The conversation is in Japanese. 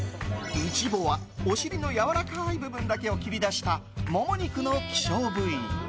イチボはお尻のやわらかい部分だけを切り出したモモ肉の希少部位。